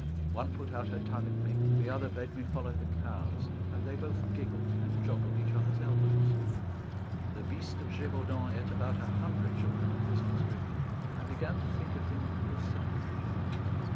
One put out her tongue at me, the other bade me follow the cows, and they both giggled and joggled each other's elbows. The Beast of Gévaudan ate about a hundred children of this district; I began to think of him with sympathy.